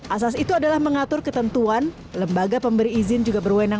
asas itu adalah mengatur ketentuan lembaga pemberi izin juga berwenang